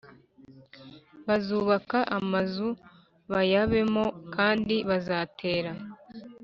Bazubaka amazu bayabemo kandi bazatera